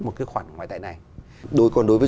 một cái khoản ngoài tệ này còn đối với